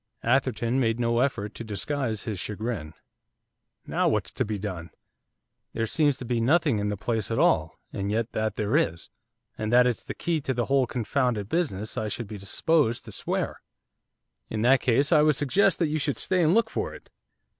Atherton made no effort to disguise his chagrin. 'Now what's to be done? There seems to be just nothing in the place at all, and yet that there is, and that it's the key to the whole confounded business I should be disposed to swear.' 'In that case I would suggest that you should stay and look for it.